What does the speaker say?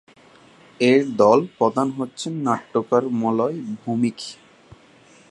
এর দল প্রধান হচ্ছেন নাট্যকার মলয় ভৌমিক।